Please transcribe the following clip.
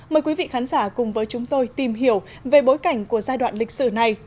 mời quý vị khán giả cùng với chúng tôi tìm hiểu về bối cảnh của giai đoạn lịch sử này